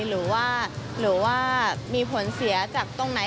หรือว่ามีผลเสียจากตรงไหน